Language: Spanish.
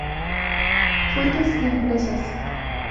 Fuentes impresas.